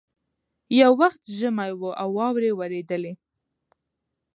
یو وخت ژمی وو او واوري اورېدلې